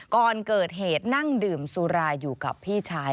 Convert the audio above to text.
ก่อนเกิดเหตุนั่งดื่มสุราอยู่กับพี่ชาย